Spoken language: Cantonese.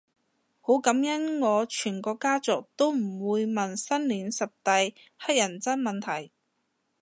好感恩我全個家族都唔會問新年十大乞人憎問題